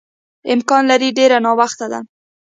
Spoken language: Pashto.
امکان لري ډېر ناوخته ده.